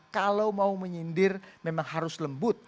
kalau mau menyindir memang harus lembut